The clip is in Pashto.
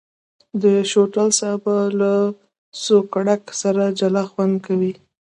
د شوتل سابه له سوکړک سره جلا خوند کوي.